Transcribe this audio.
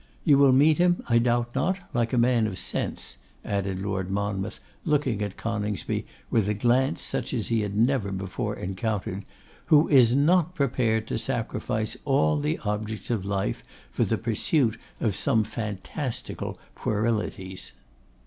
You will meet him, I doubt not, like a man of sense,' added Lord Monmouth, looking at Coningsby with a glance such as he had never before encountered, 'who is not prepared to sacrifice all the objects of life for the pursuit of some fantastical puerilities.